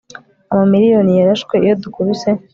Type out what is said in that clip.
Amamiriyoni yarashwe iyo dukubise